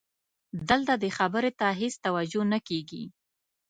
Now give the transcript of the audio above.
دلته دې خبرې ته هېڅ توجه نه کېږي.